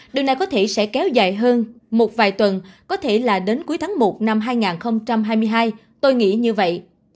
điều này có thể sẽ kéo dài hơn một vài tuần có thể là đến cuối tháng một năm hai nghìn hai mươi hai tôi nghĩ như vậy